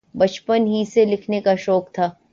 بچپن ہی سے لکھنے کا شوق تھا۔